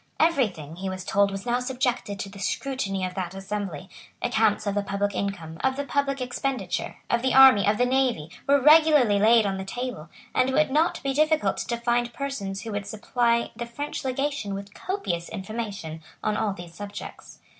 Every thing, he was told, was now subjected to the scrutiny of that assembly; accounts of the public income, of the public expenditure, of the army, of the navy, were regularly laid on the table; and it would not be difficult to find persons who would supply the French legation with copious information on all these subjects.